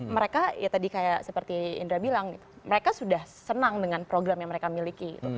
mereka ya tadi kayak seperti indra bilang mereka sudah senang dengan program yang mereka miliki